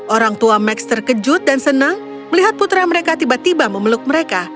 orang tua max terkejut dan senang melihat putra mereka tiba tiba memeluk mereka